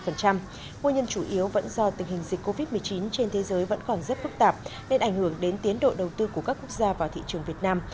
nguồn nhân chủ yếu vẫn do tình hình dịch covid một mươi chín trên thế giới vẫn còn rất phức tạp nên ảnh hưởng đến tiến độ đầu tư của các quốc gia vào thị trường việt nam